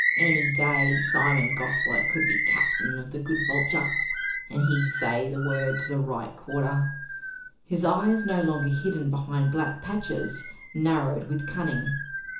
"Any day, Simon Gosler could be Cap'n of the good Vulture, an he say the word to the right quarter!" His eyes, no longer hidden behind black patches, narrowed with cunning.